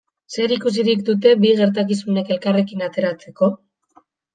Zer ikusirik dute bi gertakizunek elkarrekin ateratzeko?